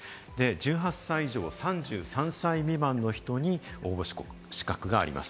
１８歳以上３３歳未満の人に応募資格があります。